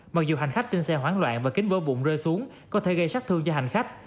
mặc dù hành khách trên xe hoảng loạn và kính vỡ bụng rơi xuống có thể gây sát thương cho hành khách